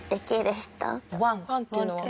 「ワン」っていうのは？